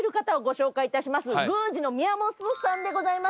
宮司の宮本さんでございます。